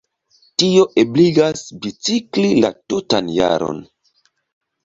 Tio ebligas bicikli la tutan jaron.